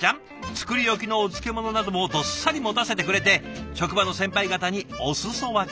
作り置きのお漬物などもどっさり持たせてくれて職場の先輩方にお裾分け。